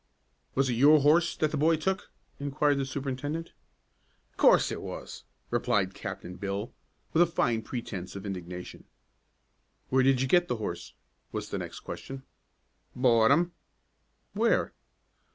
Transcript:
"Was it your horse that the boy took?" inquired the superintendent. "Course it was," replied Captain Bill, with a fine pretence of indignation. "Where did you get the horse?" was the next question. "Bought 'im." "Where?"